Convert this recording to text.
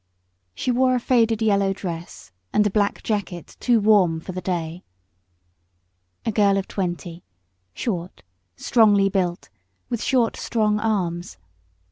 She wore a faded yellow dress and a black jacket too warm for the day. A girl of twenty, short, strongly built, with short, strong arms.